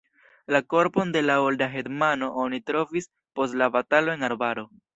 La korpon de la olda hetmano oni trovis post la batalo en arbaro.